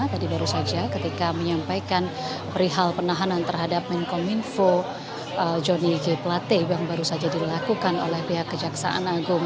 tadi baru saja ketika menyampaikan perihal penahanan terhadap menkominfo joni g plate yang baru saja dilakukan oleh pihak kejaksaan agung